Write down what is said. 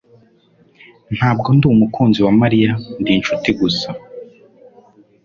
Ntabwo ndi umukunzi wa Mariya. Ndi inshuti gusa.